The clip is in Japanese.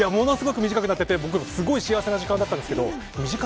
短くなってて幸せな時間だったんですけど。